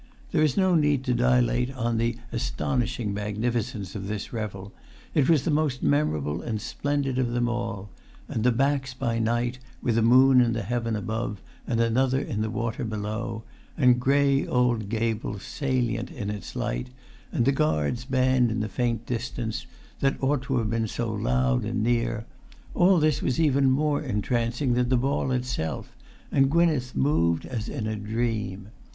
There is no need to dilate on the astonishing magnificence of this revel; it was the most memorable and splendid of them all; and the Backs by night, with a moon in the heaven above and another in the water below, and grey old gables salient in its light, and the Guards' Band in the faint distance, that ought to have been so loud and near; all this was even more entrancing than the ball itself, and Gwynneth moved as in a dream.